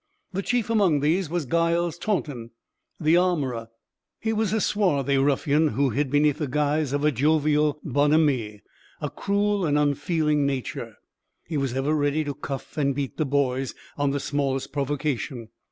The chief among these was Giles Taunton, the armorer He was a swarthy ruffian, who hid, beneath the guise of a jovial bonhomie, a cruel and unfeeling nature. He was ever ready to cuff and beat the boys, on the smallest provocation.